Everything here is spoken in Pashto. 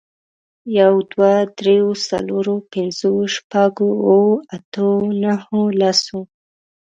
يوه، دوو، درو، څلورو، پنځو، شپږو، اوو، اتو، نهو، لسو